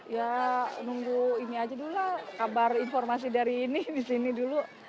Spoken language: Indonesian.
ya nunggu ini aja dulu lah kabar informasi dari ini di sini dulu